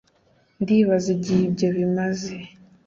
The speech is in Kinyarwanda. ndibaza igihe ibyo bimaze